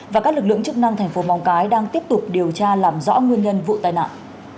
và các lực lượng chức năng thành phố móng cái đang tiếp tục điều tra làm rõ nguyên nhân vụ tai nạn